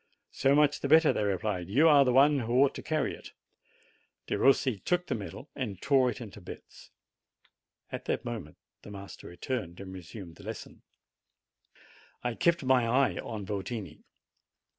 "So much the better, thev replied; "vou are ttie w M one \\ ho ought to carrv it." v* ^/ Perossi took the medal and tore it into bits. At that moment the master returned, and resumed the lesson. I kept my eye on Yotini.